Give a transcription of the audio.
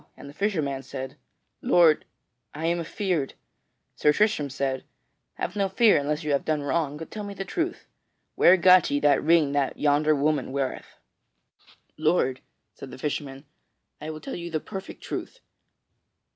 And the fisher man said, "Lord, I am afeard!" Sir Tristram said: "Have no fear, unless you have done wrong, but tell me the truth. Where got ye that ring that yonder woman weareth?" "Lord," said the fisherman, "I will tell you the perfect truth.